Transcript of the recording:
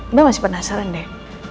mbak masih penasaran deh